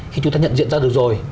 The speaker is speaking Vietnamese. khi chúng ta nhận diện ra được rồi